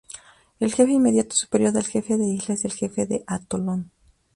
El jefe inmediato superior del Jefe de Isla es el Jefe de Atolón.